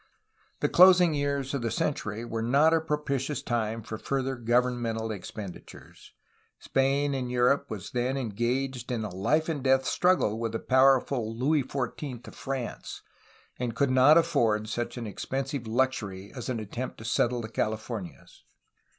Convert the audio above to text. The closing years of the century were not a propitious time for further governmental expenditures. Spain in Europe was then engaged in a life and death struggle with the powerful Louis XIV of France, and could not afford such an expensive luxury as an attempt to settle the Californias.